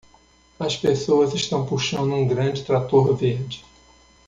As pessoas estão puxando um grande trator verde.